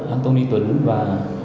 anthony tuấn và